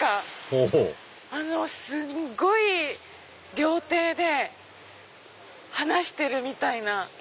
ほぉすっごい料亭で話してるみたいな。